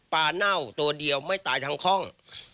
เน่าตัวเดียวไม่ตายทั้งคล่อง